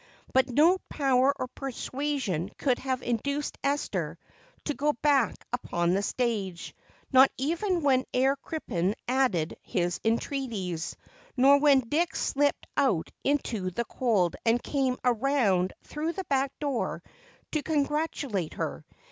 But no power or persuasion could have induced Esther to go back upon the stage, not even when Herr Crippen added his entreaties, nor when Dick slipped out into the cold and came around through the back door to congratulate her.